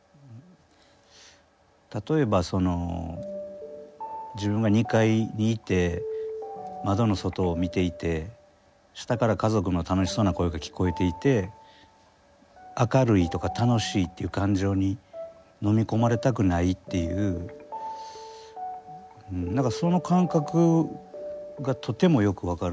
例えばその自分が２階にいて窓の外を見ていて下から家族の楽しそうな声が聞こえていて明るいとか楽しいっていう感情に飲み込まれたくないっていう何かその感覚がとてもよく分かるんですよね。